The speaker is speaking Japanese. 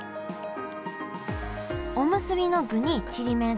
おむすびの具にちりめん